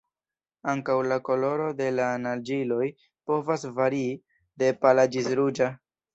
Ankaŭ la koloro de la naĝiloj povas varii, de pala ĝis ruĝa.